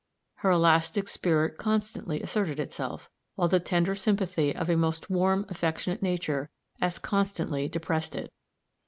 Her elastic spirit constantly asserted itself, while the tender sympathy of a most warm, affectionate nature as constantly depressed it.